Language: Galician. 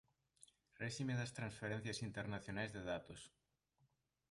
Réxime das transferencias internacionais de datos.